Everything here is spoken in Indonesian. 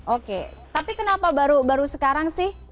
oke tapi kenapa baru sekarang sih